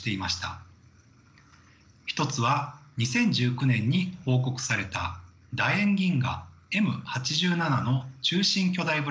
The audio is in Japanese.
１つは２０１９年に報告された楕円銀河Ｍ８７の中心巨大ブラックホール。